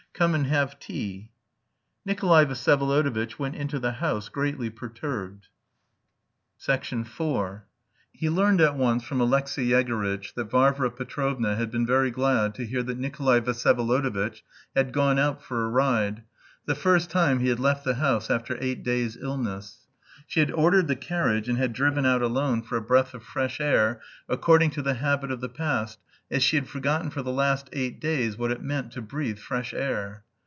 Come and have tea." Nikolay Vsyevolodovitch went into the house, greatly perturbed. IV He learned at once from Alexey Yegorytch that Varvara Petrovna had been very glad to hear that Nikolay Vsyevolodovitch had gone out for a ride the first time he had left the house after eight days' illness. She had ordered the carriage, and had driven out alone for a breath of fresh air "according to the habit of the past, as she had forgotten for the last eight days what it meant to breathe fresh air."